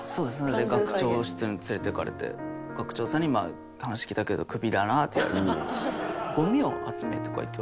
それで学長室に連れて行かれて学長さんに「話聞いたけどクビだな」って言われました。